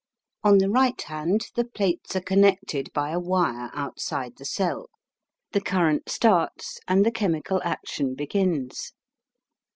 On the right hand the plates are connected by a wire outside the cell; the current starts, and the chemical action begins.